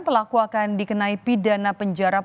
pelaku akan dikenai pidana penjara